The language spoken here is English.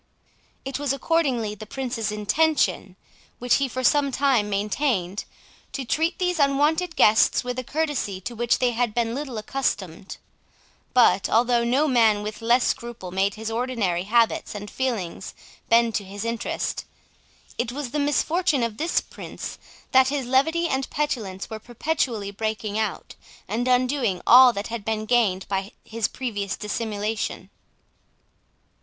It was accordingly the Prince's intention, which he for some time maintained, to treat these unwonted guests with a courtesy to which they had been little accustomed. But although no man with less scruple made his ordinary habits and feelings bend to his interest, it was the misfortune of this Prince, that his levity and petulance were perpetually breaking out, and undoing all that had been gained by his previous dissimulation.